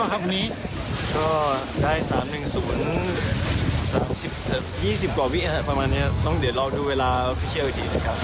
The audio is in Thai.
เรียนมีไหมครับวันนี้